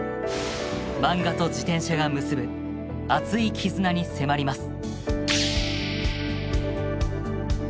マンガと自転車が結ぶ熱い絆に迫ります。